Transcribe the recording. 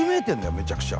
めちゃくちゃ。